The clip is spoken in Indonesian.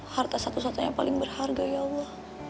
harta satu satunya yang paling berharga ya allah